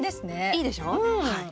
いいでしょう？